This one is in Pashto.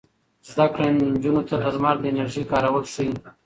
زده کړه نجونو ته د لمر د انرژۍ کارول ښيي.